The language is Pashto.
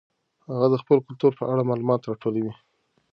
هغه د خپل کلتور په اړه معلومات راټولوي.